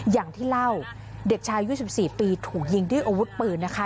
อย่างที่เล่าเด็กชาย๒๔ปีถูกยิงด้วยอาวุธปืนนะคะ